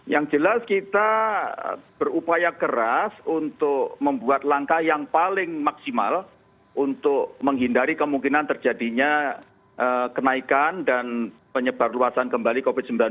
yang jelas kita berupaya keras untuk membuat langkah yang paling maksimal untuk menghindari kemungkinan terjadinya kenaikan dan penyebar luasan kembali covid sembilan belas